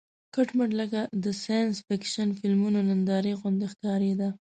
کټ مټ لکه د ساینس فېکشن فلمونو نندارې غوندې ښکارېده.